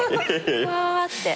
ふわって。